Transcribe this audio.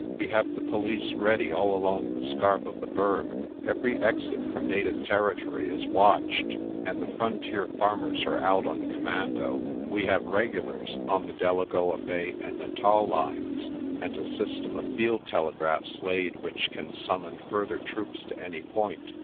We have the police ready all along the scarp of the Berg. Every exit from native territory is watched, and the frontier farmers are out on commando. We have regulars on the Delagoa Bay and Natal lines, and a system of field telegraphs laid which can summon further troops to any point.